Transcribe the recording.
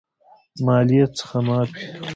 مالیې څخه معاف وي.